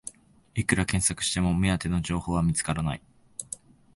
いくら検索しても目当ての情報は見つからない